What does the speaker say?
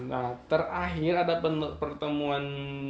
nah terakhir ada pertemuan